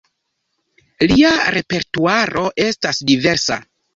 Lia repertuaro estas diversa.